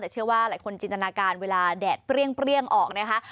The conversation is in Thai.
แต่เชื่อว่าหลายคนจินตนาการเวลาแดดเปรี้ยงออกนะคะ